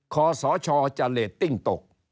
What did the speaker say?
คอสชจะเรตติ้งตก